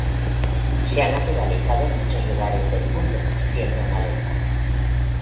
Se ha naturalizado en muchos lugares del mundo, siendo maleza